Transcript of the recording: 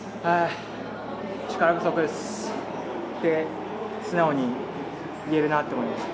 力不足ですって素直に言えるなと思いました。